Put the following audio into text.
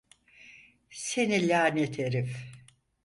Seni lanet herif!